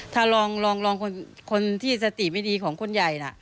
ถ้าลองคนที่สติไม่ดีของคนใหญ่น่ะ